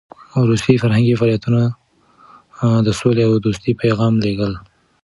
روسي فرهنګي فعالیتونه د سولې او دوستۍ پیغام لېږل.